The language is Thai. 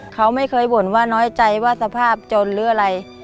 เขาไม่เคยบ่นว่าน้อยใจว่าสภาพจนหรืออะไร